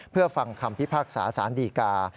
เพื่อฟังคำพิพากษาสารดีกา